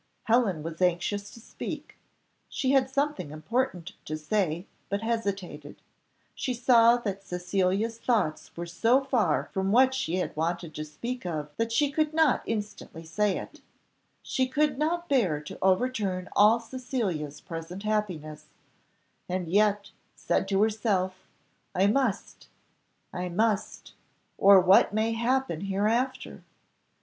Helen was anxious to speak, she had something important to say, but hesitated; she saw that Cecilia's thoughts were so far from what she wanted to speak of that she could not instantly say it; she could not bear to overturn all Cecilia's present happiness, and yet, said to herself, I must I must or what may happen hereafter?